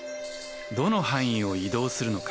どの範囲を移動するのか？